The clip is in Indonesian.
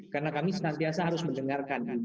karena kami senantiasa harus mendengarkan id